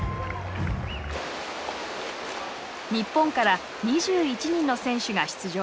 日本から２１人の選手が出場。